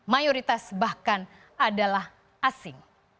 mayoritas bahkan adalah asing